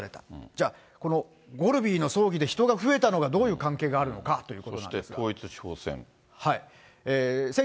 じゃあ、このゴルビーの葬儀で人が増えたのがどういう関係があるのかといそして統一地方選。